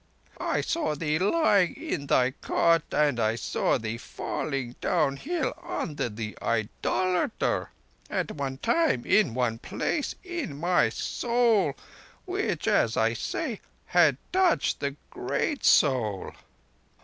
I saw thee lying in thy cot, and I saw thee falling downhill under the idolater—at one time, in one place, in my Soul, which, as I say, had touched the Great Soul.